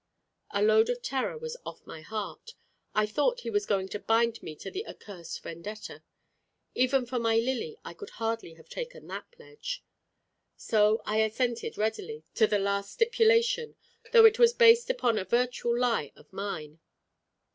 A load of terror was off my heart I thought he was going to bind me to the accursed Vendetta. Even for my Lily, I could hardly have taken that pledge. So I assented readily to the last stipulation, though it was based upon a virtual lie of mine.